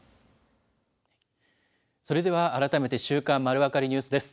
それでは改めて、週刊まるわかりニュースです。